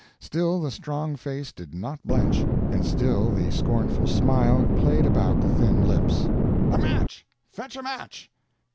Still the strong face did not blench, and still the scornful smile played about the thin lips. "A match! fetch a match!"